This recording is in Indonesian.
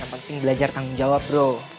yang penting belajar tanggung jawab bro